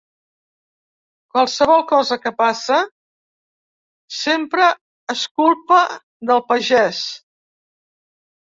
Qualsevol cosa que passa, sempre és culpa del pagès.